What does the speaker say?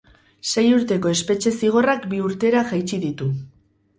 Sei urteko espetxe-zigorrak bi urtera jaitsi ditu.